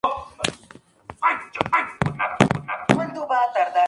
De allí el nombre que recibiría en latín, de donde proviene el español "cereza".